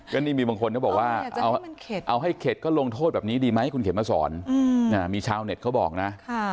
ก็นี่มีบางคนก็บอกว่าเอาให้เข็ดก็ลงโทษแบบนี้ดีไหมคุณเขียนมาสอนมีชาวเน็ตเขาบอกนะ